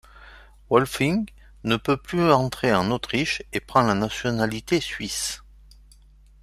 Wölfing ne peut plus entrer en Autriche et prend la nationalité suisse.